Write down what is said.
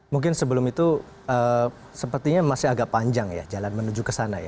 mungkin sebelum itu sepertinya masih agak panjang ya jalan menuju ke sana ya